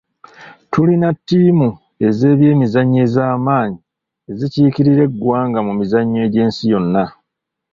Tulina ttiimu z'ebyemizannyo ez'amaanyi ezikiikirira eggwanga mu mizannyo gy'ensi yonna.